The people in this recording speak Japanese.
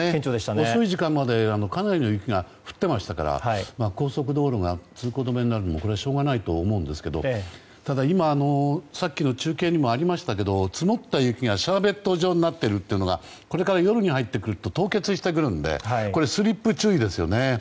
遅い時間までかなりの雪が降っていましたから高速道路が通行止めになるのもしょうがないと思うんですけどただ、今さっきの中継にもありましたけど積もった雪がシャーベット状になっているというのがこれから夜に入ってくると凍結してくるのでこれスリップ注意ですよね。